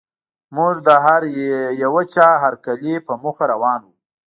موږ د یوه چا هرکلي په موخه روان وو.